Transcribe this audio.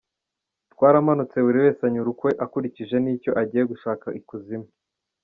Twaramanutse buri wese anyura ukwe akurikije n’icyo agiye gushaka ikuzimu.